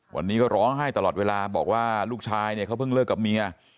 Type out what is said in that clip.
วันนี้ก็ร้องไห้ตลอดเวลาบอกว่าลูกชายเนี่ยเขาเพิ่งเลิกกับเมีย